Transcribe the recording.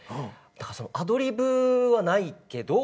だからアドリブはないけど。